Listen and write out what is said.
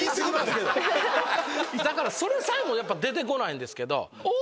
だからそれさえも出て来ないんですけど。